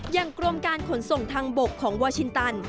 อย่างกรวมการขนส่งทางบกของวาชินตัน